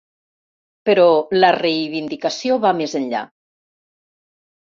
Però la reivindicació va més enllà.